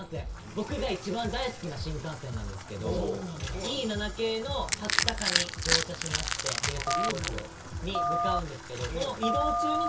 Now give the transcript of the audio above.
僕が一番大好きな新幹線なんですけどＥ７系のはくたかに乗車しましてデートスポットに向かうんですけど。